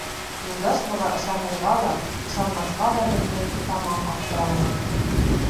Юлдаш быға ышанырға ла, ышанмаҫҡа ла белмәй, тамам аптыраны.